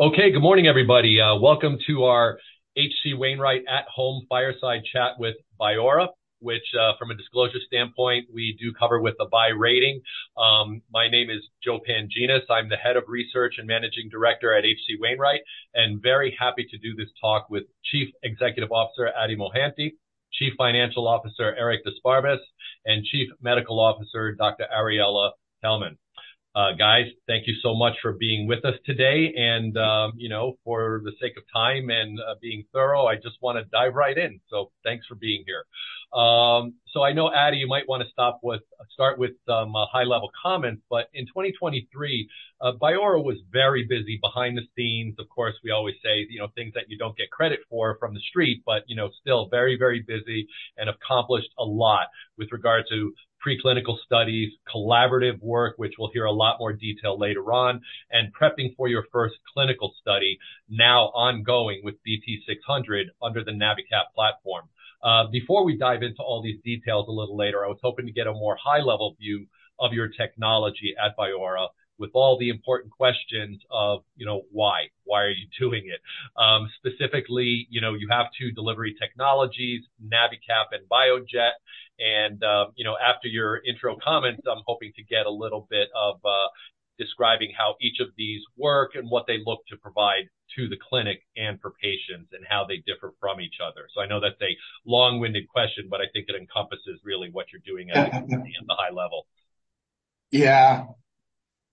Okay. Good morning, everybody. Welcome to our H.C. Wainwright at Home Fireside Chat with Biora, which, from a disclosure standpoint, we do cover with a buy rating. My name is Joseph Pantginis. I'm the head of research and managing director at H.C. Wainwright, and very happy to do this talk with Chief Executive Officer, Adi Mohanty, Chief Financial Officer, Eric d'Esparbes, and Chief Medical Officer, Dr. Ariella Kelman. Guys, thank you so much for being with us today, and, you know, for the sake of time and being thorough, I just want to dive right in. So thanks for being here. So I know, Adi, you might want to start with some high-level comments, but in 2023, Biora was very busy behind the scenes. Of course, we always say, you know, things that you don't get credit for from the street, but, you know, still very, very busy and accomplished a lot with regard to preclinical studies, collaborative work, which we'll hear a lot more detail later on, and prepping for your first clinical study, now ongoing with BT-600 under the NaviCap platform. Before we dive into all these details a little later, I was hoping to get a more high-level view of your technology at Biora with all the important questions of, you know, why? Why are you doing it? Specifically, you know, you have two delivery technologies, NaviCap and BioJet, and, you know, after your intro comments, I'm hoping to get a little bit of describing how each of these work and what they look to provide to the clinic and for patients, and how they differ from each other. So I know that's a long-winded question, but I think it encompasses really what you're doing at the high level. Yeah.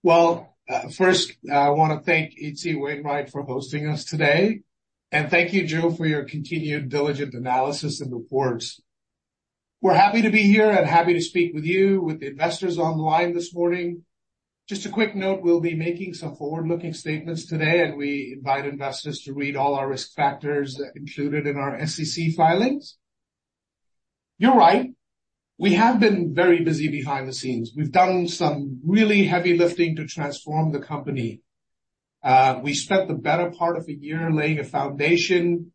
Well, first, I want to thank H.C. Wainwright for hosting us today, and thank you, Joe, for your continued diligent analysis and reports. We're happy to be here and happy to speak with you, with the investors online this morning. Just a quick note, we'll be making some forward-looking statements today, and we invite investors to read all our risk factors included in our SEC filings. You're right, we have been very busy behind the scenes. We've done some really heavy lifting to transform the company. We spent the better part of the year laying a foundation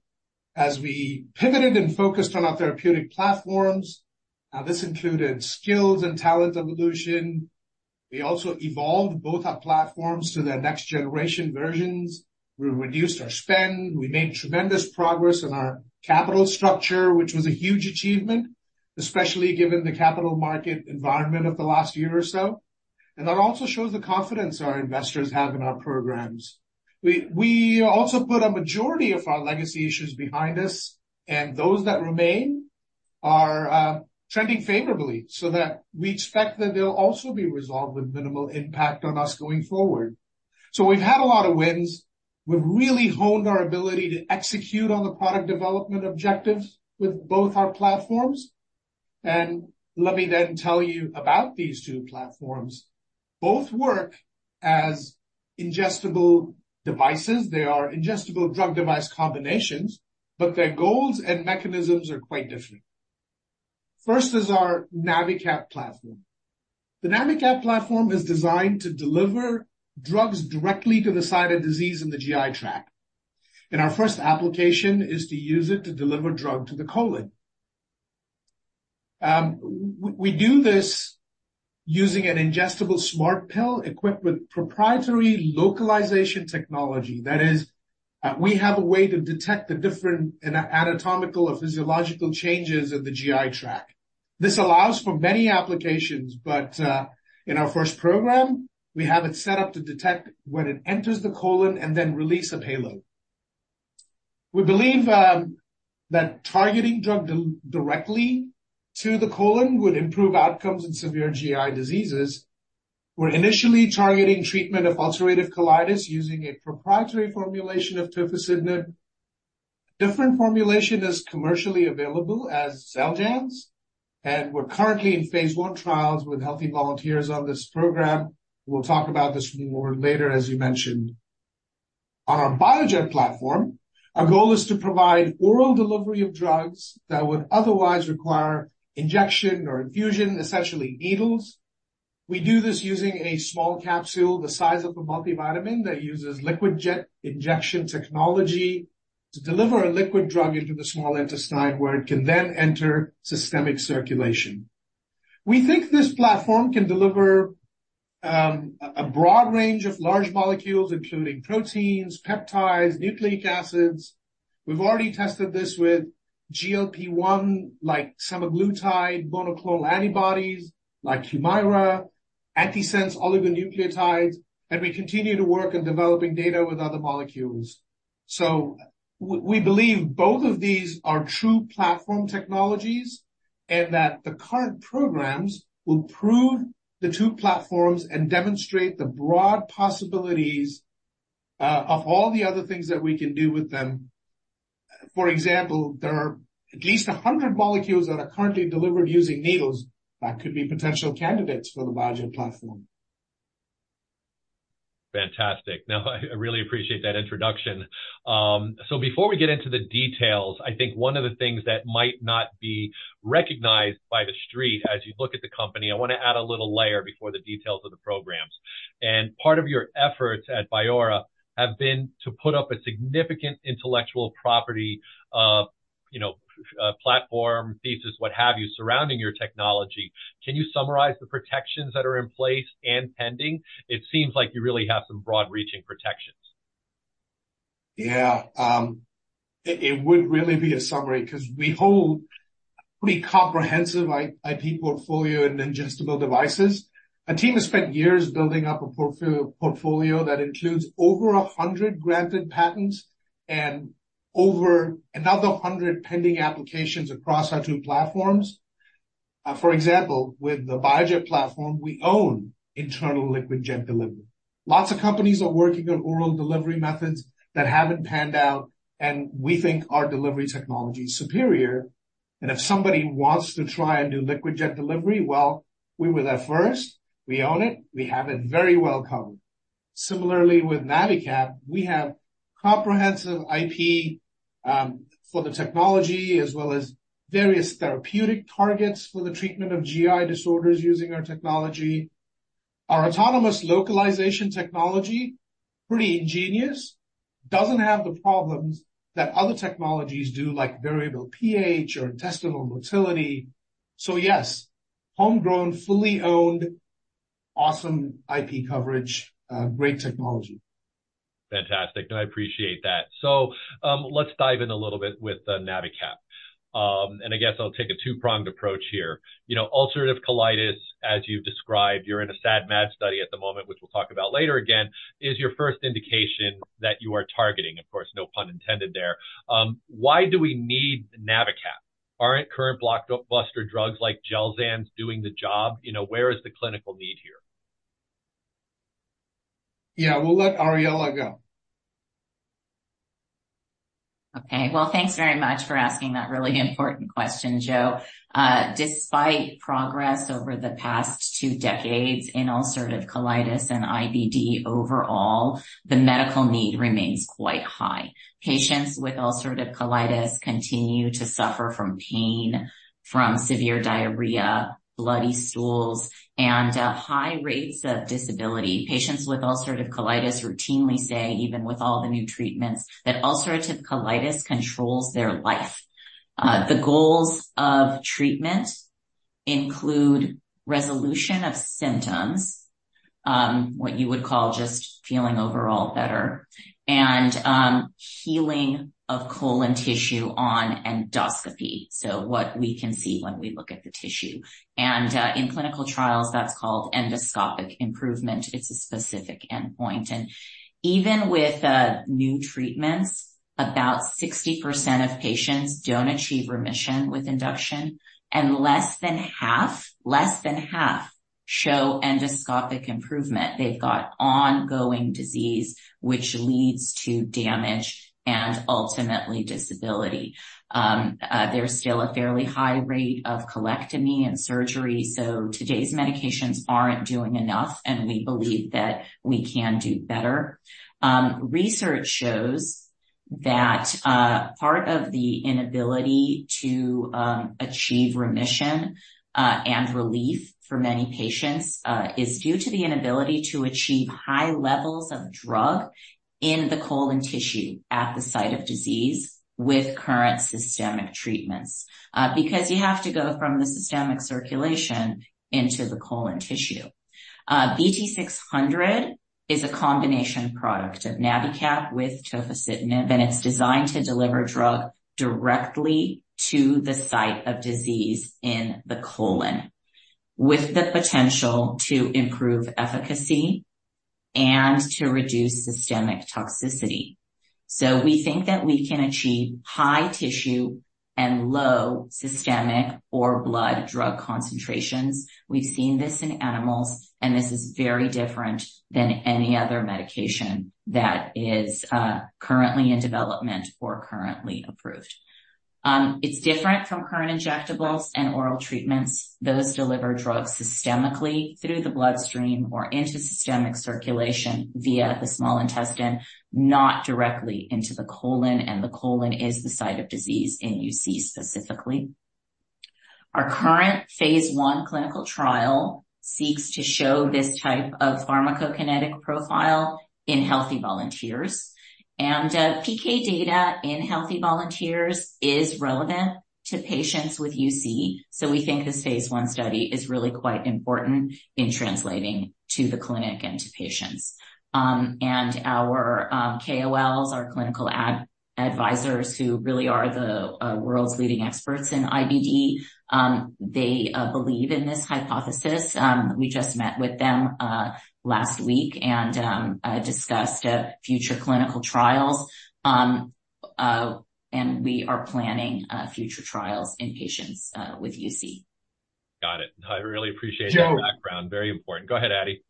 as we pivoted and focused on our therapeutic platforms. This included skills and talent evolution. We also evolved both our platforms to their next generation versions. We reduced our spend, we made tremendous progress in our capital structure, which was a huge achievement, especially given the capital market environment of the last year or so. That also shows the confidence our investors have in our programs. We, we also put a majority of our legacy issues behind us, and those that remain are trending favorably, so that we expect that they'll also be resolved with minimal impact on us going forward. We've had a lot of wins. We've really honed our ability to execute on the product development objectives with both our platforms, and let me then tell you about these two platforms. Both work as ingestible devices. They are ingestible drug device combinations, but their goals and mechanisms are quite different. First is our NaviCap platform. The NaviCap platform is designed to deliver drugs directly to the site of disease in the GI tract, and our first application is to use it to deliver drug to the colon. We do this using an ingestible smart pill equipped with proprietary localization technology. That is, we have a way to detect the different anatomical or physiological changes of the GI tract. This allows for many applications, but, in our first program, we have it set up to detect when it enters the colon and then release a payload. We believe that targeting drug directly to the colon would improve outcomes in severe GI diseases. We're initially targeting treatment of ulcerative colitis using a proprietary formulation of tofacitinib. Different formulation is commercially available as Xeljanz, and we're currently in Phase I trials with healthy volunteers on this program. We'll talk about this more later, as you mentioned. On our BioJet platform, our goal is to provide oral delivery of drugs that would otherwise require injection or infusion, essentially needles. We do this using a small capsule the size of a multivitamin that uses liquid jet injection technology to deliver a liquid drug into the small intestine, where it can then enter systemic circulation. We think this platform can deliver a broad range of large molecules, including proteins, peptides, nucleic acids. We've already tested this with GLP-1, like semaglutide, monoclonal antibodies, like Humira, antisense oligonucleotides, and we continue to work on developing data with other molecules. So we believe both of these are true platform technologies and that the current programs will prove the two platforms and demonstrate the broad possibilities of all the other things that we can do with them. For example, there are at least 100 molecules that are currently delivered using needles that could be potential candidates for the BioJet platform. Fantastic! Now, I really appreciate that introduction. So before we get into the details, I think one of the things that might not be recognized by the street as you look at the company, I want to add a little layer before the details of the programs. Part of your efforts at Biora have been to put up a significant intellectual property foundation... you know, platform thesis, what have you, surrounding your technology. Can you summarize the protections that are in place and pending? It seems like you really have some broad-reaching protections. Yeah. It would really be a summary because we hold pretty comprehensive IP portfolio in ingestible devices. Our team has spent years building up a portfolio that includes over 100 granted patents and over another 100 pending applications across our two platforms. For example, with the BioJet platform, we own internal liquid jet delivery. Lots of companies are working on oral delivery methods that haven't panned out, and we think our delivery technology is superior. And if somebody wants to try and do liquid jet delivery, well, we were there first. We own it. We have it very well covered. Similarly, with NaviCap, we have comprehensive IP for the technology, as well as various therapeutic targets for the treatment of GI disorders using our technology. Our autonomous localization technology, pretty ingenious, doesn't have the problems that other technologies do, like variable pH or intestinal motility. So yes, homegrown, fully owned, awesome IP coverage, great technology. Fantastic. I appreciate that. So, let's dive in a little bit with the NaviCap. And I guess I'll take a two-pronged approach here. You know, ulcerative colitis, as you've described, you're in a SAD MAD study at the moment, which we'll talk about later again, is your first indication that you are targeting. Of course, no pun intended there. Why do we need NaviCap? Aren't current blockbuster drugs like Xeljanz doing the job? You know, where is the clinical need here? Yeah, we'll let Ariella go. Okay, well, thanks very much for asking that really important question, Joe. Despite progress over the past 2 decades in ulcerative colitis and IBD overall, the medical need remains quite high. Patients with ulcerative colitis continue to suffer from pain, from severe diarrhea, bloody stools, and high rates of disability. Patients with ulcerative colitis routinely say, even with all the new treatments, that ulcerative colitis controls their life. The goals of treatment include resolution of symptoms, what you would call just feeling overall better, and healing of colon tissue on endoscopy. So what we can see when we look at the tissue, and in clinical trials, that's called endoscopic improvement. It's a specific endpoint, and even with new treatments, about 60% of patients don't achieve remission with induction, and less than half, less than half show endoscopic improvement. They've got ongoing disease, which leads to damage and ultimately disability. There's still a fairly high rate of colectomy and surgery, so today's medications aren't doing enough, and we believe that we can do better. Research shows that part of the inability to achieve remission and relief for many patients is due to the inability to achieve high levels of drug in the colon tissue at the site of disease with current systemic treatments. Because you have to go from the systemic circulation into the colon tissue. BT-600 is a combination product of NaviCap with tofacitinib, and it's designed to deliver drug directly to the site of disease in the colon, with the potential to improve efficacy and to reduce systemic toxicity. So we think that we can achieve high tissue and low systemic or blood drug concentrations. We've seen this in animals, and this is very different than any other medication that is currently in development or currently approved. It's different from current injectables and oral treatments. Those deliver drugs systemically through the bloodstream or into systemic circulation via the small intestine, not directly into the colon, and the colon is the site of disease in UC specifically. Our current Phase I clinical trial seeks to show this type of pharmacokinetic profile in healthy volunteers, and PK data in healthy volunteers is relevant to patients with UC. So we think this Phase I study is really quite important in translating to the clinic and to patients. And our KOLs, our clinical advisors who really are the world's leading experts in IBD, they believe in this hypothesis. We just met with them last week and discussed future clinical trials. And we are planning future trials in patients with UC. Got it. I really appreciate- Joe. that background. Very important. Go ahead, Adi.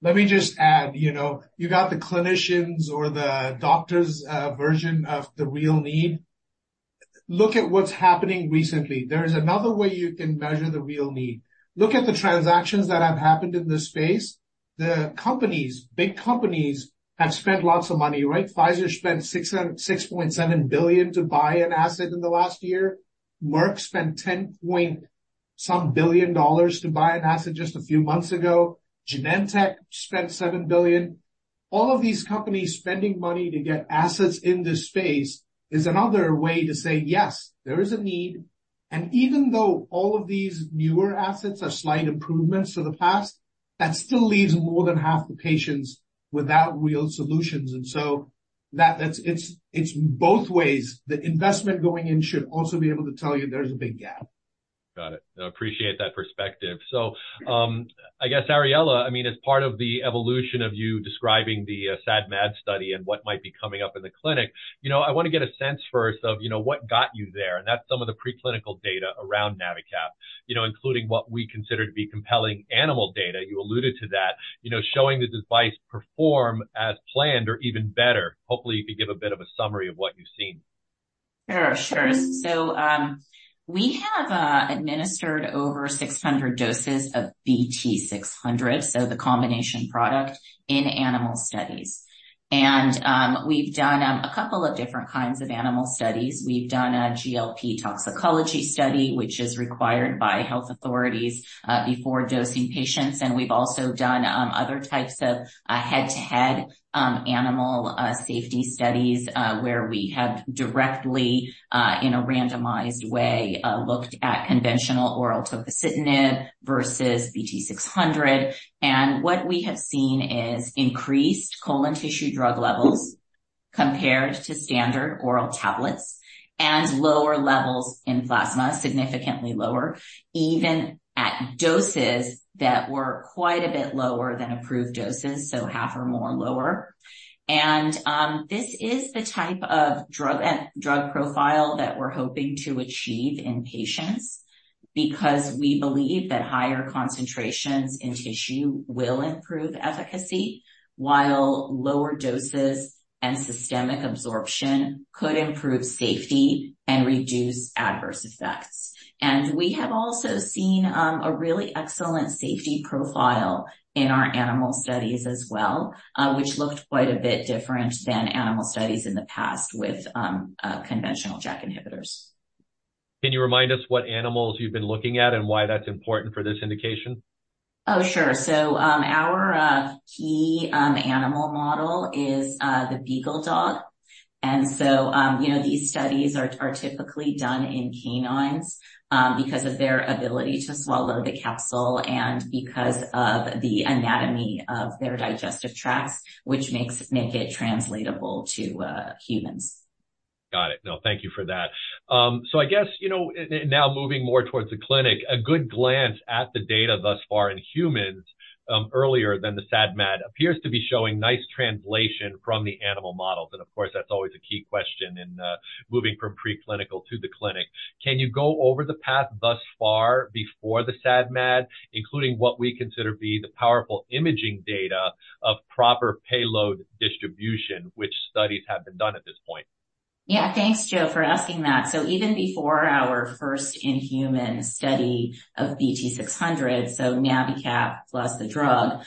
Let me just add, you know, you got the clinicians or the doctors' version of the real need. Look at what's happening recently. There is another way you can measure the real need. Look at the transactions that have happened in this space. The companies, big companies, have spent lots of money, right? Pfizer spent $606.7 billion to buy an asset in the last year. Merck spent $10 point some billion dollars to buy an asset just a few months ago. Genentech spent $7 billion. All of these companies spending money to get assets in this space is another way to say, yes, there is a need. And even though all of these newer assets are slight improvements to the past, that still leaves more than half the patients without real solutions. And so that, that's, it's, it's both ways. The investment going in should also be able to tell you there's a big gap. Got it. I appreciate that perspective. So, I guess, Ariella, I mean, as part of the evolution of you describing the SAD MAD study and what might be coming up in the clinic, you know, I want to get a sense first of, you know, what got you there, and that's some of the preclinical data around NaviCap, you know, including what we consider to be compelling animal data. You alluded to that, you know, showing the device perform as planned or even better. Hopefully, you could give a bit of a summary of what you've seen. Sure, sure. So, we have administered over 600 doses of BT-600, so the combination product in animal studies. And, we've done a couple of different kinds of animal studies. We've done a GLP toxicology study, which is required by health authorities, before dosing patients. And we've also done other types of head-to-head animal safety studies, where we have directly in a randomized way looked at conventional oral tofacitinib versus BT-600. And what we have seen is increased colon tissue drug levels compared to standard oral tablets, and lower levels in plasma, significantly lower, even at doses that were quite a bit lower than approved doses, so half or more lower. This is the type of drug and drug profile that we're hoping to achieve in patients, because we believe that higher concentrations in tissue will improve efficacy, while lower doses and systemic absorption could improve safety and reduce adverse effects. We have also seen a really excellent safety profile in our animal studies as well, which looked quite a bit different than animal studies in the past with conventional JAK inhibitors. Can you remind us what animals you've been looking at and why that's important for this indication? Oh, sure. So, our key animal model is the beagle dog. And so, you know, these studies are typically done in canines because of their ability to swallow the capsule and because of the anatomy of their digestive tracts, which makes it translatable to humans. Got it. No, thank you for that. So I guess, you know, and now moving more towards the clinic, a good glance at the data thus far in humans, earlier than the SAD MAD, appears to be showing nice translation from the animal models. And of course, that's always a key question in moving from preclinical to the clinic. Can you go over the path thus far before the SAD MAD, including what we consider to be the powerful imaging data of proper payload distribution, which studies have been done at this point? Yeah. Thanks, Joe, for asking that. So even before our first in-human study of BT-600, so NaviCap plus the drug,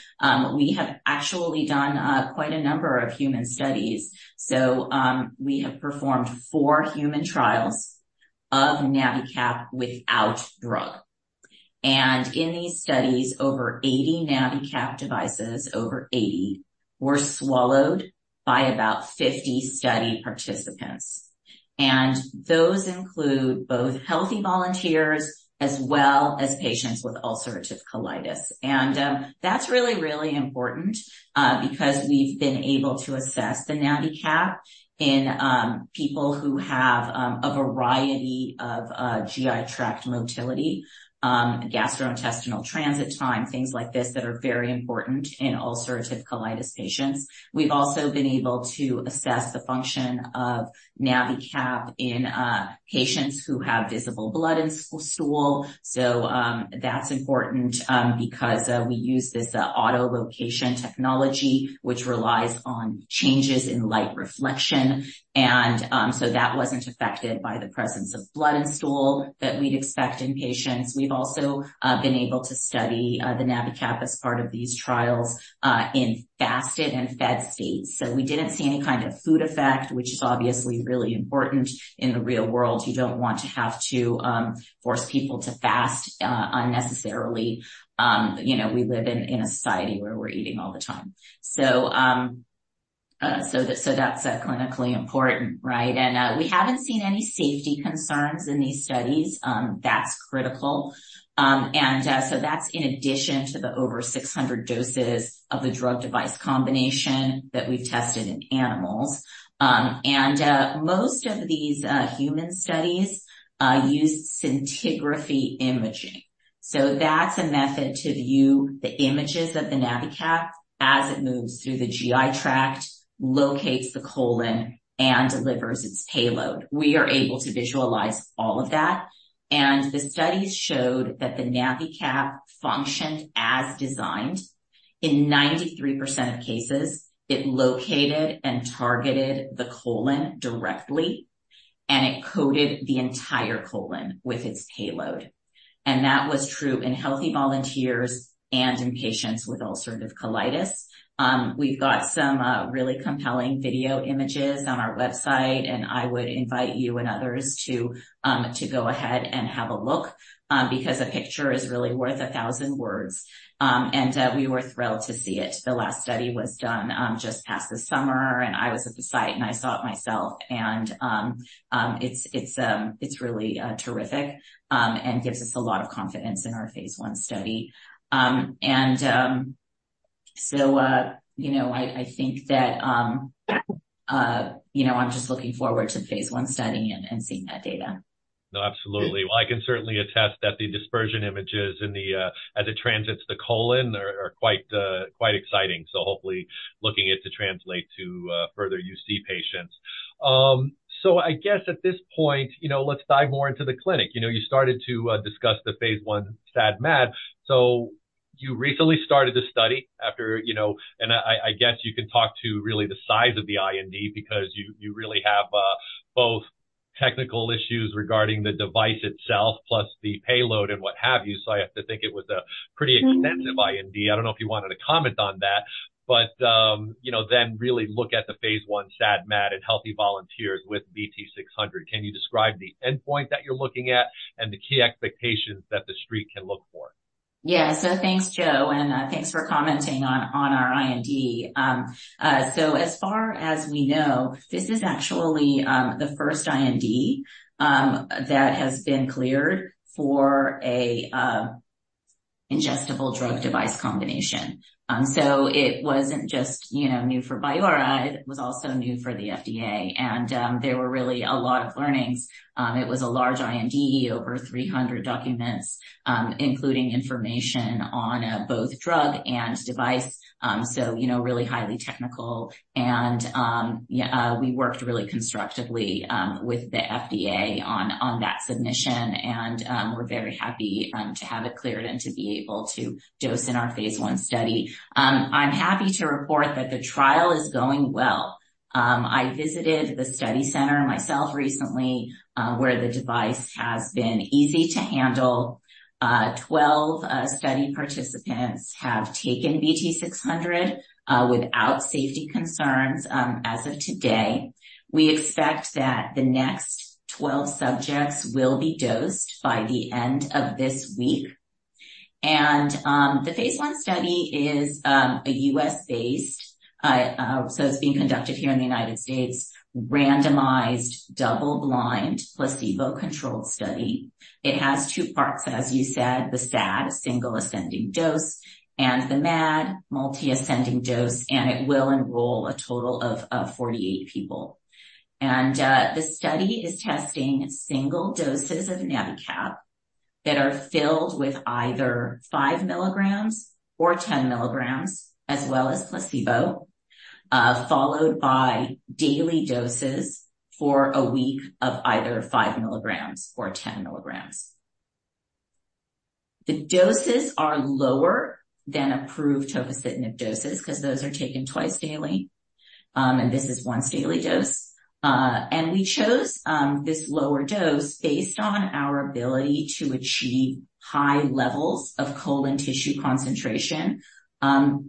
we have actually done quite a number of human studies. So, we have performed 4 human trials of NaviCap without drug. And in these studies, over 80 NaviCap devices, over 80, were swallowed by about 50 study participants. And those include both healthy volunteers as well as patients with ulcerative colitis. And, that's really, really important, because we've been able to assess the NaviCap in people who have a variety of GI tract motility, gastrointestinal transit time, things like this that are very important in ulcerative colitis patients. We've also been able to assess the function of NaviCap in patients who have visible blood in stool. So, that's important, because we use this autolocation technology, which relies on changes in light reflection. And so that wasn't affected by the presence of blood in stool that we'd expect in patients. We've also been able to study the NaviCap as part of these trials in fasted and fed states. So we didn't see any kind of food effect, which is obviously really important in the real world. You don't want to have to force people to fast unnecessarily. You know, we live in a society where we're eating all the time. So that's clinically important, right? And we haven't seen any safety concerns in these studies, that's critical. So that's in addition to the over 600 doses of the drug device combination that we've tested in animals. Most of these human studies use scintigraphy imaging. So that's a method to view the images of the NaviCap as it moves through the GI tract, locates the colon, and delivers its payload. We are able to visualize all of that, and the studies showed that the NaviCap functioned as designed. In 93% of cases, it located and targeted the colon directly, and it coated the entire colon with its payload. And that was true in healthy volunteers and in patients with ulcerative colitis. We've got some really compelling video images on our website, and I would invite you and others to go ahead and have a look, because a picture is really worth a thousand words. And we were thrilled to see it. The last study was done just past the summer, and I was at the site, and I saw it myself, and it's really terrific, and gives us a lot of confidence in our Phase I study. So, you know, I think that, you know, I'm just looking forward to Phase I study and seeing that data. No, absolutely. Well, I can certainly attest that the dispersion images in the as it transits the colon are quite exciting. So hopefully looking it to translate to further UC patients. So I guess at this point, you know, let's dive more into the clinic. You know, you started to discuss the Phase I SAD MAD. So you recently started the study after, you know, and I guess you can talk to really the size of the IND because you really have both technical issues regarding the device itself, plus the payload and what have you. So I have to think it was a pretty extensive IND. I don't know if you wanted to comment on that, but you know, then really look at the Phase I SAD MAD in healthy volunteers with BT-600. Can you describe the endpoint that you're looking at and the key expectations that the street can look for? Yeah. So thanks, Joe, and thanks for commenting on our IND. So as far as we know, this is actually the first IND that has been cleared for an ingestible drug-device combination. So it wasn't just, you know, new for Biora, it was also new for the FDA, and there were really a lot of learnings. It was a large IND, over 300 documents, including information on both drug and device. So, you know, really highly technical and yeah, we worked really constructively with the FDA on that submission, and we're very happy to have it cleared and to be able to dose in our Phase I study. I'm happy to report that the trial is going well. I visited the study center myself recently, where the device has been easy to handle. Twelve study participants have taken BT-600 without safety concerns as of today. We expect that the next twelve subjects will be dosed by the end of this week. The Phase I study is a U.S.-based, so it's being conducted here in the United States, randomized, double-blind, placebo-controlled study. It has two parts, as you said, the SAD, single ascending dose, and the MAD, multiple ascending dose, and it will enroll a total of 48 people. The study is testing single doses of NaviCap that are filled with either 5 milligrams or 10 milligrams, as well as placebo, followed by daily doses for a week of either 5 milligrams or 10 milligrams. The doses are lower than approved tofacitinib doses because those are taken twice daily, and this is once daily dose. And we chose this lower dose based on our ability to achieve high levels of colon tissue concentration,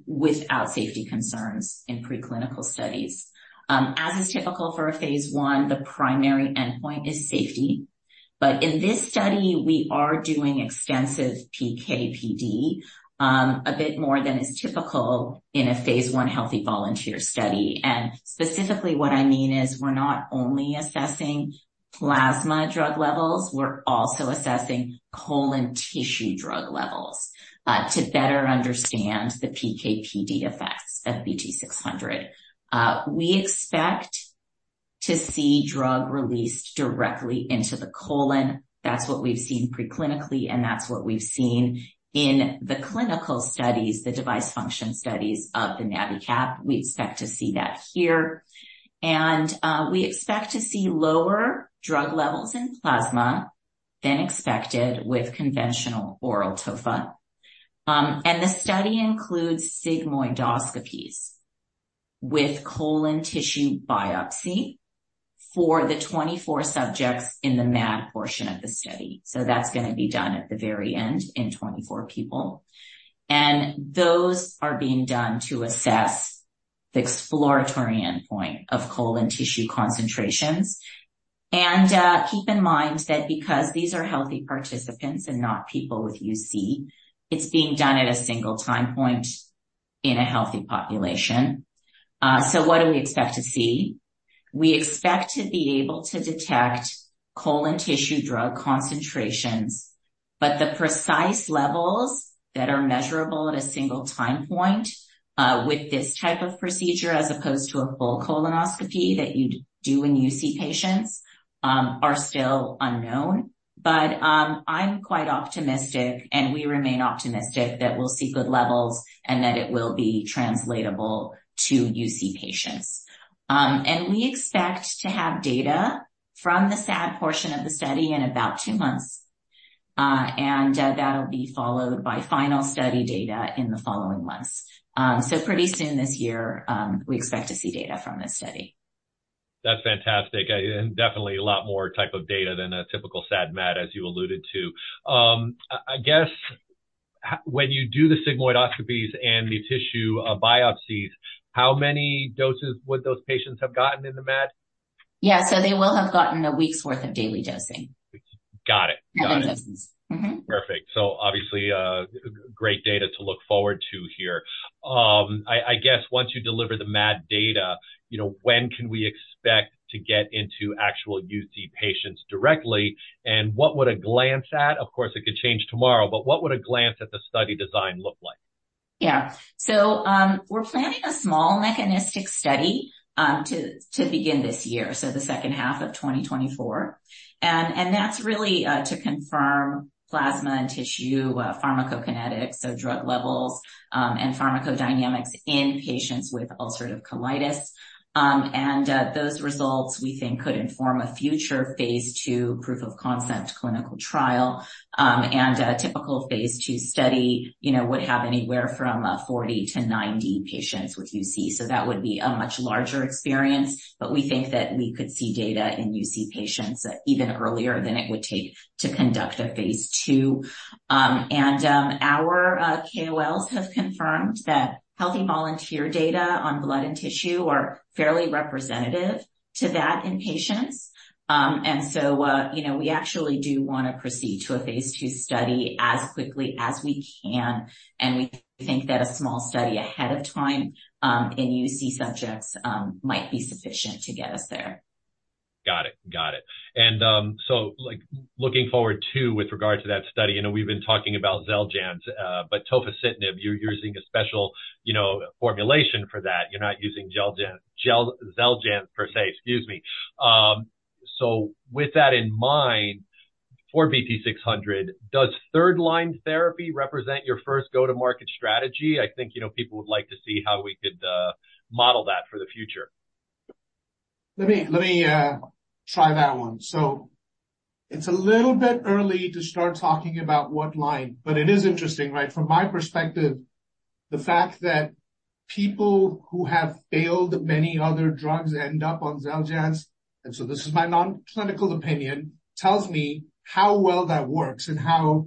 without safety concerns in preclinical studies. As is typical for a Phase I, the primary endpoint is safety. But in this study, we are doing extensive PK/PD, a bit more than is typical in a Phase I healthy volunteer study. And specifically, what I mean is we're not only assessing plasma drug levels, we're also assessing colon tissue drug levels, to better understand the PK/PD effects of BT-600. We expect to see drug released directly into the colon. That's what we've seen preclinically, and that's what we've seen in the clinical studies, the device function studies of the NaviCap. We expect to see that here. We expect to see lower drug levels in plasma than expected with conventional oral tofa. The study includes sigmoidoscopies with colon tissue biopsy for the 24 subjects in the MAD portion of the study. That's gonna be done at the very end in 24 people. And those are being done to assess the exploratory endpoint of colon tissue concentrations. Keep in mind that because these are healthy participants and not people with UC, it's being done at a single time point in a healthy population. So what do we expect to see? We expect to be able to detect colon tissue drug concentrations, but the precise levels that are measurable at a single time point, with this type of procedure, as opposed to a full colonoscopy that you'd do in UC patients, are still unknown. But, I'm quite optimistic, and we remain optimistic that we'll see good levels and that it will be translatable to UC patients. And we expect to have data from the SAD portion of the study in about two months, and, that'll be followed by final study data in the following months. So pretty soon this year, we expect to see data from this study. That's fantastic, and definitely a lot more type of data than a typical SAD MAD, as you alluded to. I guess when you do the sigmoidoscopies and the tissue biopsies, how many doses would those patients have gotten in the MAD? Yeah. So they will have gotten a week's worth of daily dosing. Got it. Got it. Mm-hmm. Perfect. So obviously, great data to look forward to here. I guess once you deliver the MAD data, you know, when can we expect to get into actual UC patients directly, of course it could change tomorrow, but what would a glance at the study design look like?... Yeah. So, we're planning a small mechanistic study to begin this year, so the second half of 2024. And that's really to confirm plasma and tissue pharmacokinetics, so drug levels, and pharmacodynamics in patients with ulcerative colitis. Those results, we think, could inform a future Phase II proof-of-concept clinical trial. And a typical Phase II study, you know, would have anywhere from 40-90 patients with UC, so that would be a much larger experience. But we think that we could see data in UC patients even earlier than it would take to conduct a Phase II. Our KOLs have confirmed that healthy volunteer data on blood and tissue are fairly representative to that in patients. And so, you know, we actually do want to proceed to a Phase II study as quickly as we can, and we think that a small study ahead of time, in UC subjects, might be sufficient to get us there. Got it. Got it. And, so, like, looking forward, too, with regard to that study, I know we've been talking about Xeljanz, but tofacitinib, you're using a special, you know, formulation for that. You're not using Xeljanz, Xeljanz, per se. Excuse me. So with that in mind, for BT-600, does third-line therapy represent your first go-to-market strategy? I think, you know, people would like to see how we could, model that for the future. Let me try that one. So it's a little bit early to start talking about what line, but it is interesting, right? From my perspective, the fact that people who have failed many other drugs end up on Xeljanz, and so this is my non-clinical opinion, tells me how well that works and how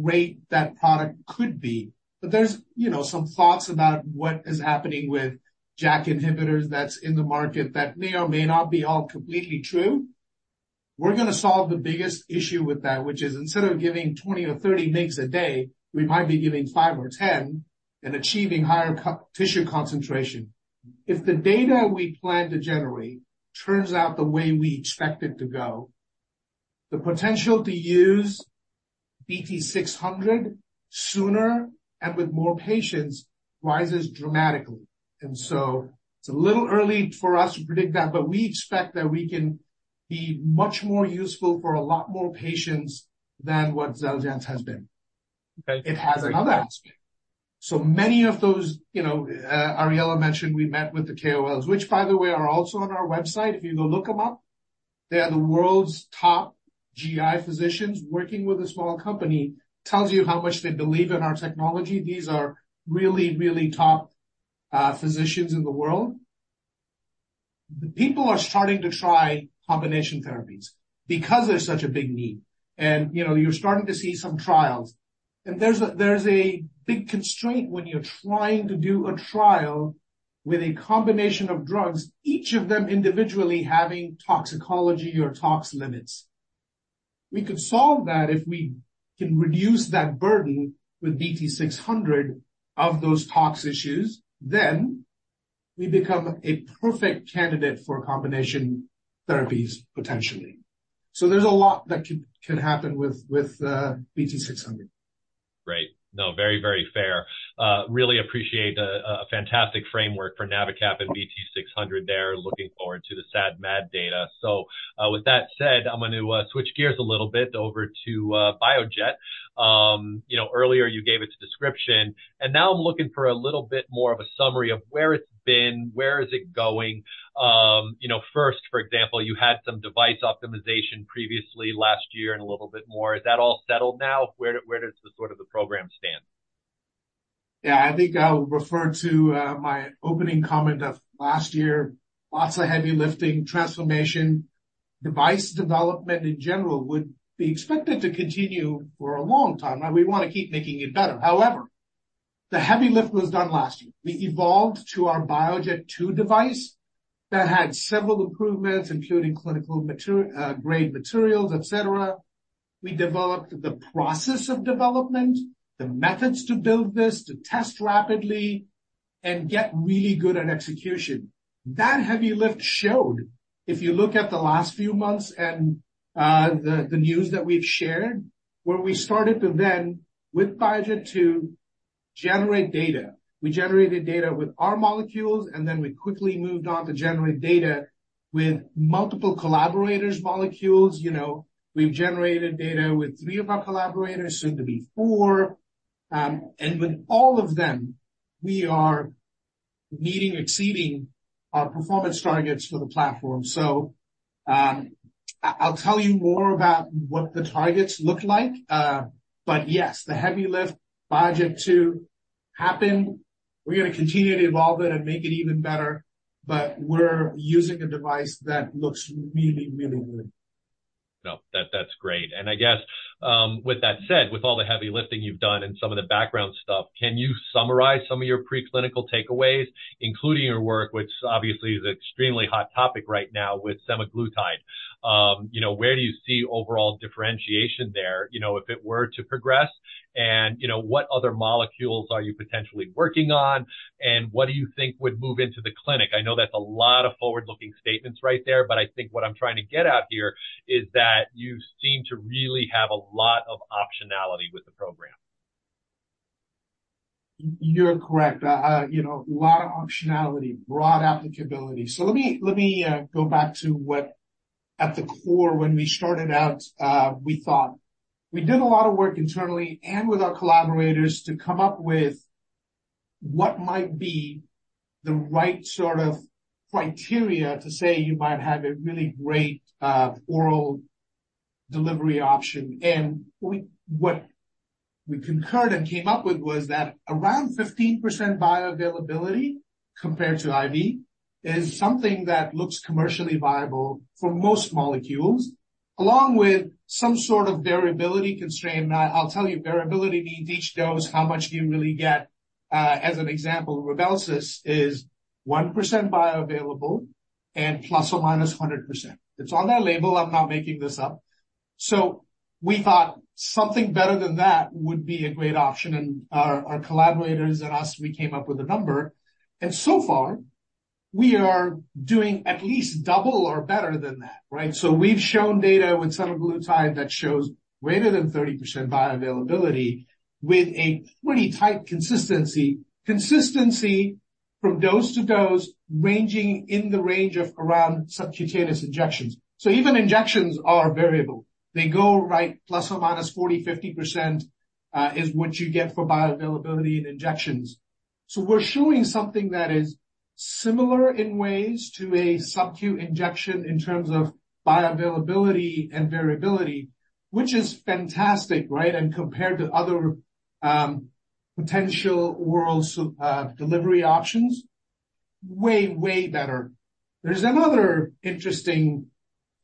great that product could be. But there's, you know, some thoughts about what is happening with JAK inhibitors that's in the market that may or may not be all completely true. We're going to solve the biggest issue with that, which is instead of giving 20 or 30 mg a day, we might be giving five or 10 and achieving higher colon tissue concentration. If the data we plan to generate turns out the way we expect it to go, the potential to use BT-600 sooner and with more patients rises dramatically. And so it's a little early for us to predict that, but we expect that we can be much more useful for a lot more patients than what Xeljanz has been. Right. It has another aspect. So many of those, you know, Ariella mentioned we met with the KOLs, which, by the way, are also on our website. If you go look them up, they are the world's top GI physicians. Working with a small company tells you how much they believe in our technology. These are really, really top physicians in the world. The people are starting to try combination therapies because there's such a big need, and, you know, you're starting to see some trials. And there's a big constraint when you're trying to do a trial with a combination of drugs, each of them individually having toxicology or tox limits. We could solve that if we can reduce that burden with BT-600 of those tox issues, then we become a perfect candidate for combination therapies, potentially. So there's a lot that can happen with BT-600. Right. No, very, very fair. Really appreciate a fantastic framework for NaviCap and BT-600 there. Looking forward to the SAD/MAD data. So, with that said, I'm going to switch gears a little bit over to BioJet. You know, earlier you gave its description, and now I'm looking for a little bit more of a summary of where it's been, where is it going? You know, first, for example, you had some device optimization previously last year and a little bit more. Is that all settled now? Where, where does the sort of the program stand? Yeah, I think I'll refer to my opening comment of last year. Lots of heavy lifting, transformation. Device development in general would be expected to continue for a long time, and we want to keep making it better. However, the heavy lift was done last year. We evolved to our BioJet 2 device that had several improvements, including clinical grade materials, etc. We developed the process of development, the methods to build this, to test rapidly and get really good at execution. That heavy lift showed if you look at the last few months and the news that we've shared, where we started to then, with BioJet 2, generate data. We generated data with our molecules, and then we quickly moved on to generate data with multiple collaborators' molecules. You know, we've generated data with 3 of our collaborators, soon to be 4. And with all of them, we are meeting or exceeding our performance targets for the platform. So, I'll tell you more about what the targets look like. But yes, the heavy lift BioJet 2 happened. We're going to continue to evolve it and make it even better, but we're using a device that looks really, really good. No, that's great. And I guess, with that said, with all the heavy lifting you've done and some of the background stuff, can you summarize some of your preclinical takeaways, including your work, which obviously is an extremely hot topic right now with Semaglutide? You know, where do you see overall differentiation there, you know, if it were to progress? And, you know, what other molecules are you potentially working on, and what do you think would move into the clinic? I know that's a lot of forward-looking statements right there, but I think what I'm trying to get at here is that you seem to really have a lot of optionality with the program.... You're correct. You know, a lot of optionality, broad applicability. So let me, let me, go back to what at the core, when we started out, we thought. We did a lot of work internally and with our collaborators to come up with what might be the right sort of criteria to say you might have a really great, oral delivery option. And we, what we concurred and came up with was that around 15% bioavailability compared to IV is something that looks commercially viable for most molecules, along with some sort of variability constraint. Now, I'll tell you, variability means each dose, how much do you really get? As an example, Rybelsus is 1% bioavailable and ±100%. It's on that label. I'm not making this up. So we thought something better than that would be a great option, and our collaborators and us, we came up with a number, and so far, we are doing at least double or better than that, right? So we've shown data with Semaglutide that shows greater than 30% bioavailability with a pretty tight consistency. Consistency from dose to dose, ranging in the range of around subcutaneous injections. So even injections are variable. They go, right, ±40, 50% is what you get for bioavailability in injections. So we're showing something that is similar in ways to a subcu injection in terms of bioavailability and variability, which is fantastic, right? And compared to other potential oral delivery options, way, way better. There's another interesting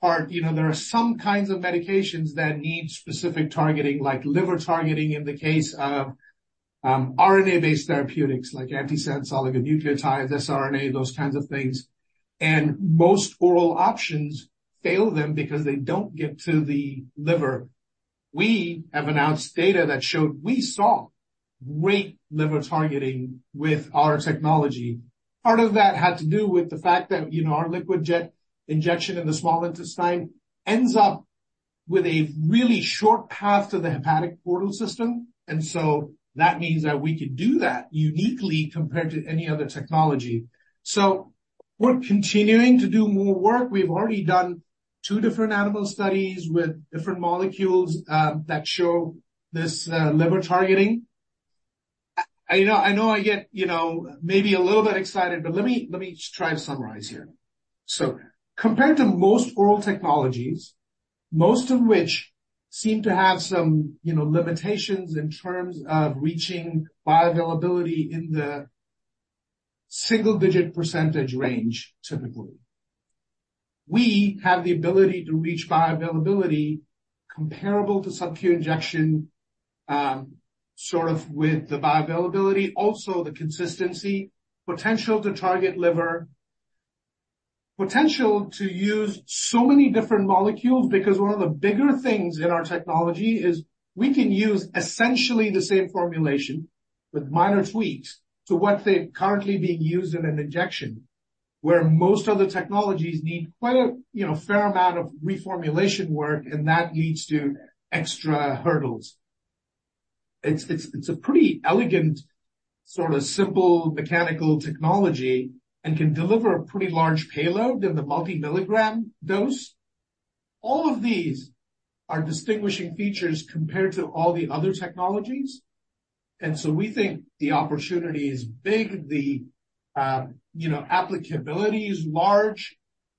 part. You know, there are some kinds of medications that need specific targeting, like liver targeting, in the case of RNA-based therapeutics, like antisense oligonucleotides, siRNA, those kinds of things, and most oral options fail them because they don't get to the liver. We have announced data that showed we saw great liver targeting with our technology. Part of that had to do with the fact that, you know, our liquid jet injection in the small intestine ends up with a really short path to the hepatic portal system, and so that means that we could do that uniquely compared to any other technology. So we're continuing to do more work. We've already done two different animal studies with different molecules that show this liver targeting. I know I get, you know, maybe a little bit excited, but let me just try to summarize here. So compared to most oral technologies, most of which seem to have some, you know, limitations in terms of reaching bioavailability in the single-digit % range, typically, we have the ability to reach bioavailability comparable to subcu injection, sort of with the bioavailability, also the consistency, potential to target liver, potential to use so many different molecules, because one of the bigger things in our technology is we can use essentially the same formulation with minor tweaks to what's currently being used in an injection, where most other technologies need quite a, you know, fair amount of reformulation work, and that leads to extra hurdles. It's a pretty elegant, sort of simple mechanical technology and can deliver a pretty large payload in the multi-milligram dose. All of these are distinguishing features compared to all the other technologies, and so we think the opportunity is big, the, you know, applicability is large,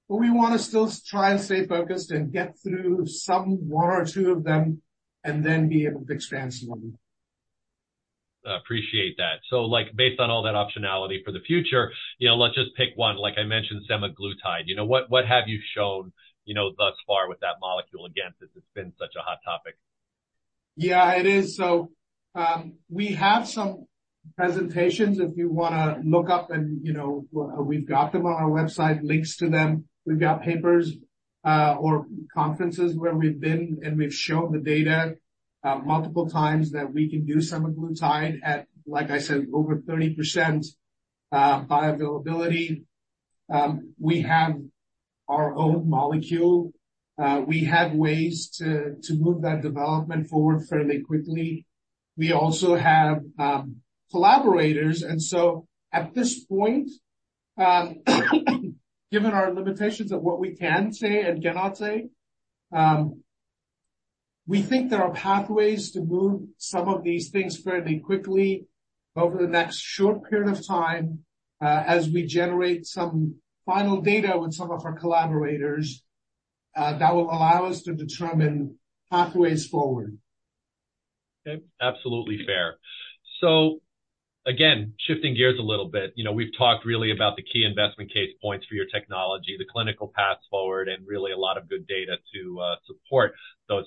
but we want to still try and get through some, one or two of them, and then be able to expand some more. I appreciate that. So, like, based on all that optionality for the future, you know, let's just pick one. Like I mentioned, Semaglutide. You know, what, what have you shown, you know, thus far with that molecule, again, since it's been such a hot topic? Yeah, it is. So, we have some presentations if you wanna look up, and, you know, we've got them on our website, links to them. We've got papers, or conferences where we've been, and we've shown the data, multiple times that we can do Semaglutide at, like I said, over 30%, bioavailability. We have our own molecule. We have ways to move that development forward fairly quickly. We also have collaborators, and so at this point, given our limitations of what we can say and cannot say, we think there are pathways to move some of these things fairly quickly over the next short period of time, as we generate some final data with some of our collaborators, that will allow us to determine pathways forward. Okay, absolutely fair. So again, shifting gears a little bit, you know, we've talked really about the key investment case points for your technology, the clinical paths forward, and really a lot of good data to support those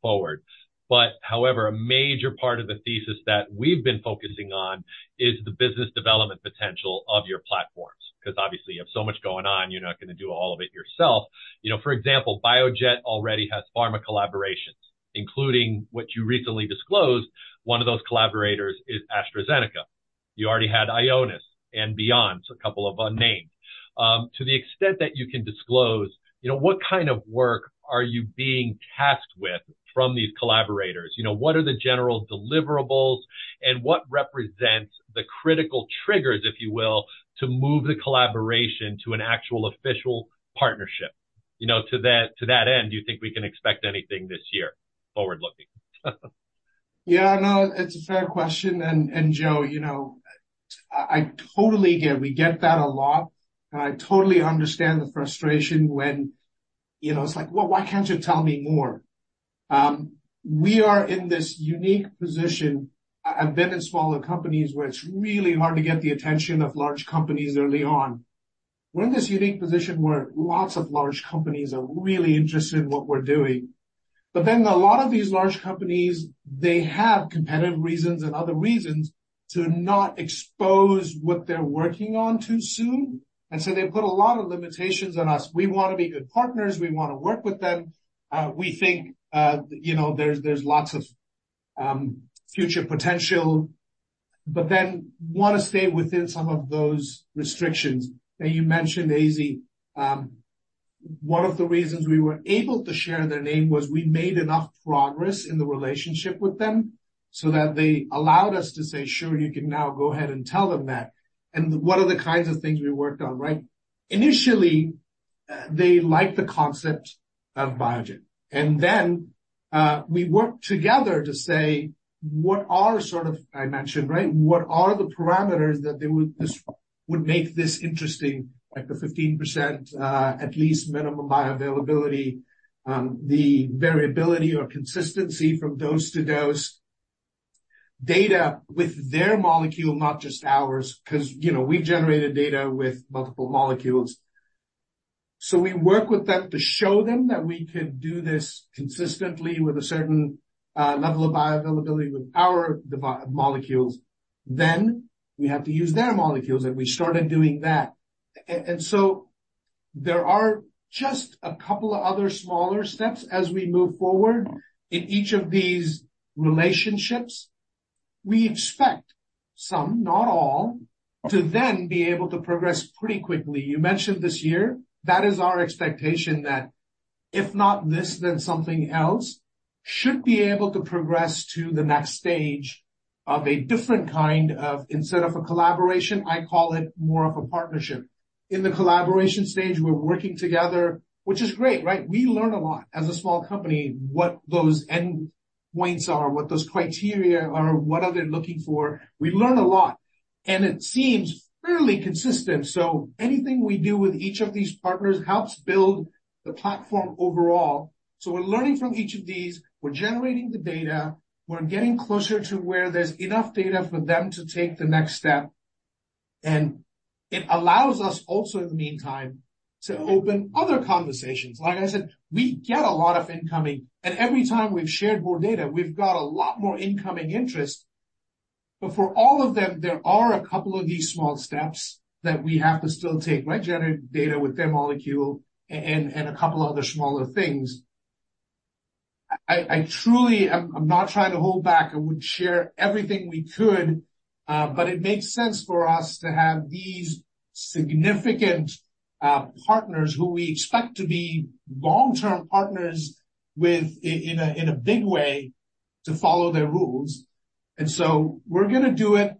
paths forward. But however, a major part of the thesis that we've been focusing on is the business development potential of your platforms, 'cause obviously, you have so much going on, you're not gonna do all of it yourself. You know, for example, BioJet already has pharma collaborations, including what you recently disclosed. One of those collaborators is AstraZeneca. You already had Ionis and beyond, so a couple of unnamed.... To the extent that you can disclose, you know, what kind of work are you being tasked with from these collaborators? You know, what are the general deliverables, and what represents the critical triggers, if you will, to move the collaboration to an actual official partnership? You know, to that, to that end, do you think we can expect anything this year, forward-looking? Yeah, no, it's a fair question. And, and Joe, you know, I, I totally get it. We get that a lot, and I totally understand the frustration when, you know, it's like: "Well, why can't you tell me more?" We are in this unique position. I, I've been in smaller companies where it's really hard to get the attention of large companies early on. We're in this unique position where lots of large companies are really interested in what we're doing. But then a lot of these large companies, they have competitive reasons and other reasons to not expose what they're working on too soon, and so they put a lot of limitations on us. We want to be good partners, we want to work with them. We think, you know, there's lots of future potential, but then we want to stay within some of those restrictions. Now, you mentioned AZ. One of the reasons we were able to share their name was we made enough progress in the relationship with them so that they allowed us to say, "Sure, you can now go ahead and tell them that." And what are the kinds of things we worked on, right? Initially, they liked the concept of BioJet, and then, we worked together to say, what are sort of... I mentioned, right? What are the parameters that they would make this interesting, like the 15%, at least minimum bioavailability, the variability or consistency from dose to dose, data with their molecule, not just ours, 'cause, you know, we've generated data with multiple molecules. So we work with them to show them that we could do this consistently with a certain level of bioavailability with our molecules. Then, we have to use their molecules, and we started doing that. And so there are just a couple of other smaller steps as we move forward in each of these relationships. We expect some, not all, to then be able to progress pretty quickly. You mentioned this year, that is our expectation that, if not this, then something else should be able to progress to the next stage of a different kind of instead of a collaboration, I call it more of a partnership. In the collaboration stage, we're working together, which is great, right? We learn a lot as a small company, what those endpoints are, what those criteria are, what are they looking for. We learn a lot, and it seems fairly consistent. So anything we do with each of these partners helps build the platform overall. So we're learning from each of these, we're generating the data, we're getting closer to where there's enough data for them to take the next step, and it allows us also, in the meantime, to open other conversations. Like I said, we get a lot of incoming, and every time we've shared more data, we've got a lot more incoming interest. But for all of them, there are a couple of these small steps that we have to still take, right? Generate data with their molecule and a couple other smaller things. I truly, I'm not trying to hold back. I would share everything we could, but it makes sense for us to have these significant partners who we expect to be long-term partners with in a big way, to follow their rules. So we're gonna do it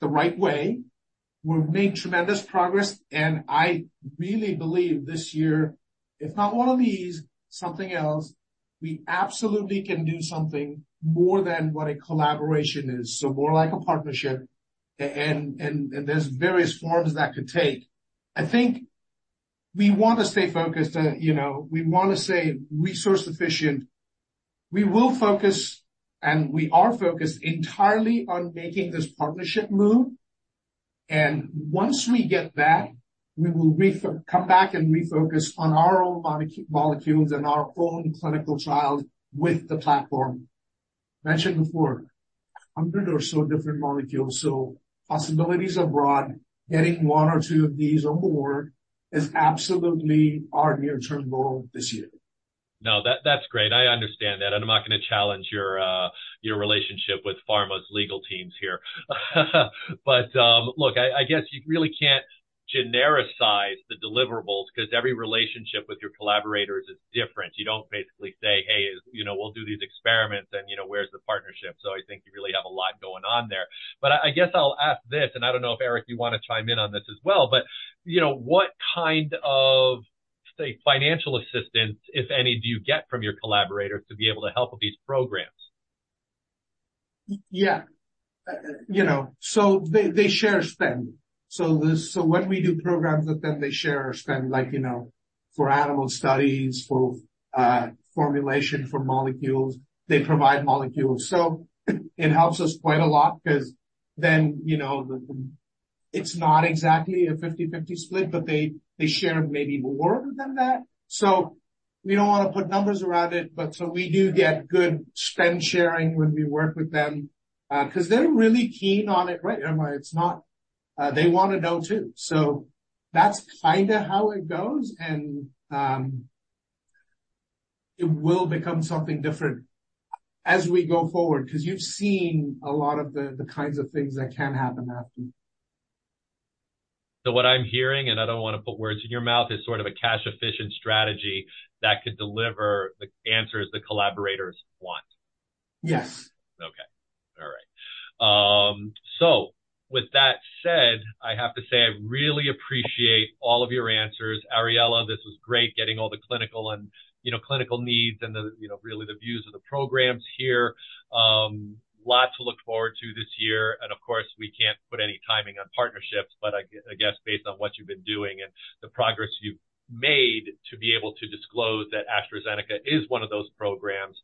the right way. We've made tremendous progress, and I really believe this year, if not one of these, something else, we absolutely can do something more than what a collaboration is, so more like a partnership, and there's various forms that could take. I think we want to stay focused and, you know, we want to stay resource-efficient. We will focus, and we are focused entirely on making this partnership move, and once we get that, we will come back and refocus on our own molecules and our own clinical trials with the platform. Mentioned before, 100 or so different molecules, so possibilities are broad. Getting one or two of these on board is absolutely our near-term goal this year. No, that, that's great. I understand that, and I'm not gonna challenge your relationship with pharma's legal teams here. But, look, I, I guess you really can't genericize the deliverables because every relationship with your collaborators is different. You don't basically say, "Hey, you know, we'll do these experiments, and, you know, where's the partnership?" So I think you really have a lot going on there. But I, I guess I'll ask this, and I don't know if, Eric, you want to chime in on this as well, but you know, what kind of, say, financial assistance, if any, do you get from your collaborators to be able to help with these programs? Yeah. You know, so they share spend. So this, so when we do programs with them, they share our spend, like, you know, for animal studies, for formulation for molecules, they provide molecules. So it helps us quite a lot 'cause then, you know, the, it's not exactly a 50/50 split, but they share maybe more than that. So we don't want to put numbers around it, but so we do get good spend sharing when we work with them, 'cause they're really keen on it, right, Eric? It's not... They want to know, too. So that's kind of how it goes, and... it will become something different as we go forward, because you've seen a lot of the kinds of things that can happen after. What I'm hearing, and I don't want to put words in your mouth, is sort of a cash-efficient strategy that could deliver the answers the collaborators want? Yes. Okay. All right. So with that said, I have to say I really appreciate all of your answers. Ariella, this was great, getting all the clinical and, you know, clinical needs and the, you know, really the views of the programs here. Lots to look forward to this year, and of course, we can't put any timing on partnerships, but I guess based on what you've been doing and the progress you've made to be able to disclose that AstraZeneca is one of those programs,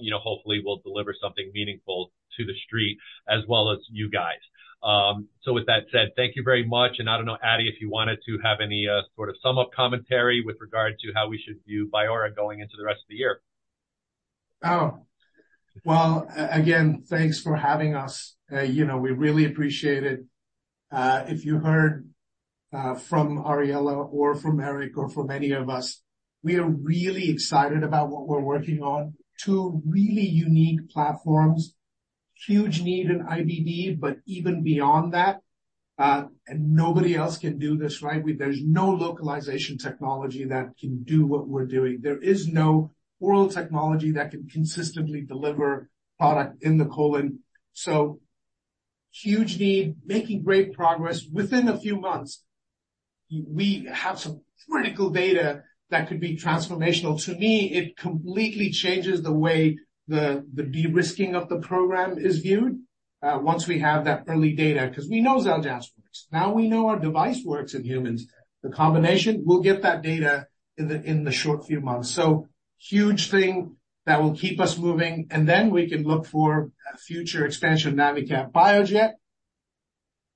you know, hopefully will deliver something meaningful to the street as well as you guys. So with that said, thank you very much, and I don't know, Adi, if you wanted to have any sort of sum-up commentary with regard to how we should view Biora going into the rest of the year. Oh, well, again, thanks for having us. You know, we really appreciate it. If you heard from Ariella or from Eric or from any of us, we are really excited about what we're working on. Two really unique platforms, huge need in IBD, but even beyond that, and nobody else can do this, right? There's no localization technology that can do what we're doing. There is no oral technology that can consistently deliver product in the colon. So huge need, making great progress. Within a few months, we have some critical data that could be transformational. To me, it completely changes the way the de-risking of the program is viewed, once we have that early data, because we know Xeljanz works. Now, we know our device works in humans. The combination, we'll get that data in the short few months. So huge thing that will keep us moving, and then we can look for a future expansion of NaviCap BioJet.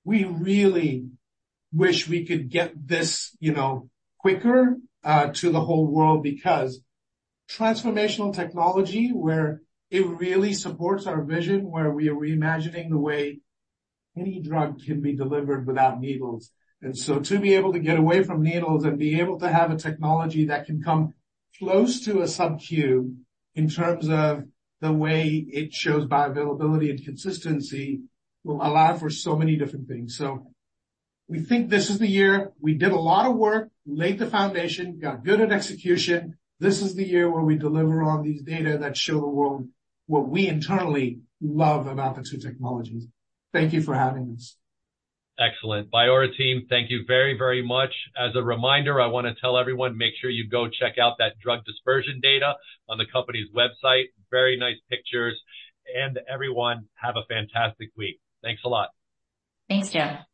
We really wish we could get this, you know, quicker to the whole world because transformational technology, where it really supports our vision, where we are reimagining the way any drug can be delivered without needles. And so to be able to get away from needles and be able to have a technology that can come close to a SubQ in terms of the way it shows bioavailability and consistency, will allow for so many different things. So we think this is the year. We did a lot of work, laid the foundation, got good at execution. This is the year where we deliver on these data that show the world what we internally love about the two technologies. Thank you for having us. Excellent. Biora team, thank you very, very much. As a reminder, I want to tell everyone, make sure you go check out that drug dispersion data on the company's website. Very nice pictures, and everyone, have a fantastic week. Thanks a lot. Thanks, Joe.